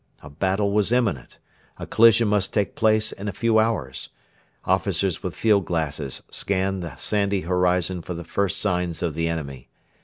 A battle was imminent. A collision must take place in a few hours. Officers with field glasses scanned the sandy horizon for the first signs of the enemy.